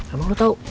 emang lu tau